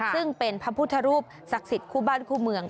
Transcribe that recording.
ซึ่งเป็นพระพุทธรูปศักดิ์สิทธิ์คู่บ้านคู่เมือง